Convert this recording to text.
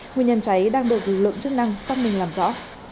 nguyên nhân cháy đang được lực lượng chức năng xác minh làm rõ